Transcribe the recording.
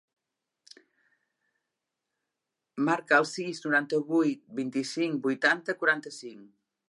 Marca el sis, noranta-vuit, vint-i-cinc, vuitanta, quaranta-cinc.